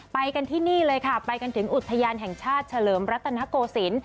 ไปกันที่นี่เลยค่ะไปกันถึงอุทยานแห่งชาติเฉลิมรัตนโกศิลป